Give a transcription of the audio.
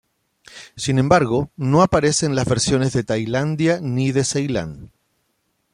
Sin embargo, no aparece en las versiones de Tailandia ni de Ceilán.